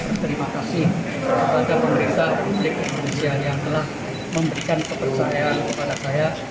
berterima kasih kepada pemerintah republik indonesia yang telah memberikan kepercayaan kepada saya